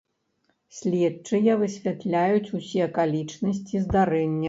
Следчыя высвятляюць усе акалічнасці здарэння.